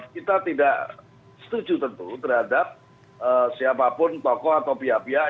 kita tidak setuju tentu terhadap siapapun tokoh atau pihak pihak